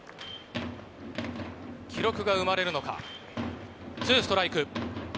記録が生まれるのか、ツーストライク。